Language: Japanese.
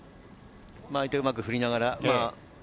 相手をうまく振りながら。